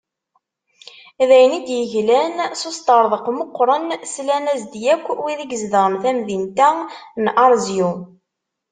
D ayen i d-yeglan s usṭerḍeq meqqren, slan-as-d yakk wid i izedɣen tamdint-a n Arezyu.